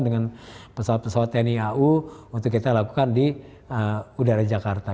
dengan pesawat pesawat tni au untuk kita lakukan di udara jakarta